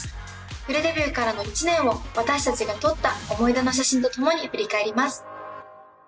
プレデビューからの１年を私たちが撮った思い出の写真と共に振り返ります。